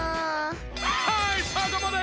はいそこまで！